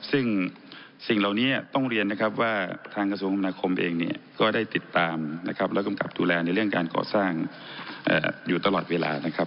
ซึ่งสิ่งเหล่านี้ต้องเรียนนะครับว่าทางกระทรวงคำนาคมเองเนี่ยก็ได้ติดตามนะครับและกำกับดูแลในเรื่องการก่อสร้างอยู่ตลอดเวลานะครับ